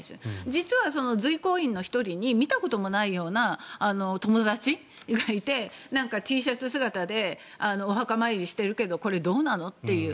実は随行員の１人に見たこともないような友達がいてなんかＴシャツ姿でお墓参りしているけどこれ、どうなの？という。